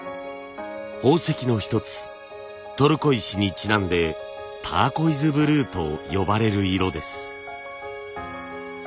宝石の一つトルコ石にちなんでターコイズブルーと呼ばれる色です。